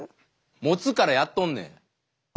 もつからやっとんねん！